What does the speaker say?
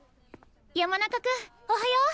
山中君おはよう！